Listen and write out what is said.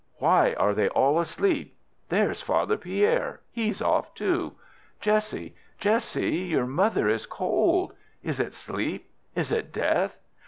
"Why are they all asleep? There's Father Pierre—he's off too. Jessie, Jessie, your mother is cold. Is it sleep? Is it death?